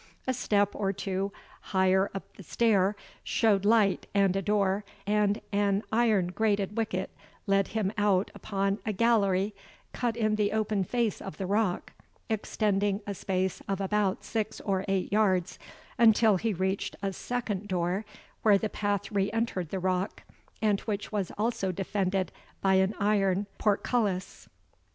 A step or two higher up the stair showed light and a door, and an iron grated wicket led him out upon a gallery cut in the open face of the rock, extending a space of about six or eight yards, until he reached a second door, where the path re entered the rock, and which was also defended by an iron portcullis.